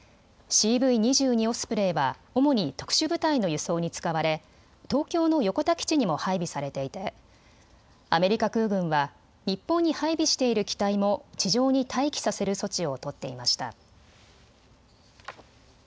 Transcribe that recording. オスプレイは主に特殊部隊の輸送に使われ東京の横田基地にも配備されていてアメリカ空軍は日本に配備している機体も地上に待機させる措置を取っていました。